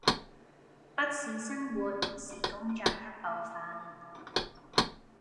不是生活是工作一部分